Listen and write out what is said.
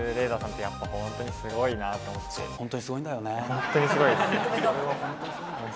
本当にすごいです。